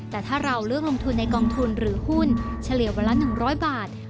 แต่ถ้าเราเลือกลงทุนในกองทุนหรือหุ้นเฉลี่ยวันละ๑๐๐บาท